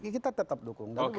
kita tetap dukung